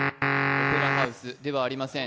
オペラハウスではありません。